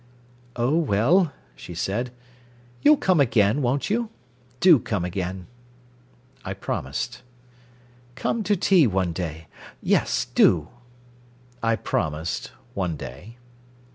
"Oh, well," she said, "you'll come again, won't you? Do come again." I promised. "Come to tea one day yes, do!" I promised one day.